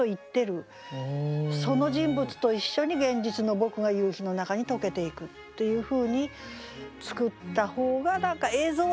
その人物と一緒に現実の僕が夕日の中に溶けていくというふうに作った方が何か映像的にね面白いかなと思うんですね。